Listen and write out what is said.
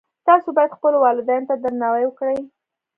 تاسو باید خپلو والدینو ته درناوی وکړئ